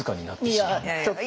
いやちょっと。